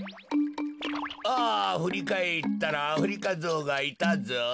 ああふりかえったらアフリカゾウがいたゾウ。